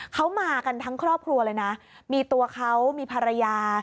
เขามากันทั้งครอบครัวเลยนะมีตัวเขามีภรรยา